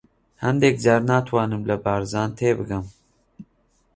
هەندێک جار ناتوانم لە بارزان تێبگەم.